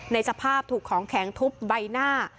สภาพถูกของแข็งทุบใบหน้า